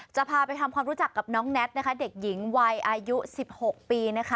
จะพาไปทำความรู้จักกับน้องแน็ตนะคะเด็กหญิงวัยอายุ๑๖ปีนะคะ